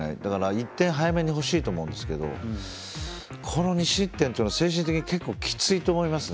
１点、早めに欲しいと思うんですけどこの２失点っていうのは精神的にきついと思いますね。